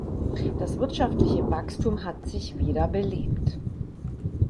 Das wirtschaftliche Wachstum hat sich wieder belebt.